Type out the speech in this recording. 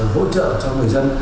hỗ trợ cho người dân